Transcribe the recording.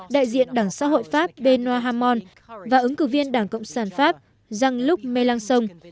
đại diện đảng xã hội pháp benoit hamon và ứng cử viên đảng cộng sản pháp jean luc mélenchon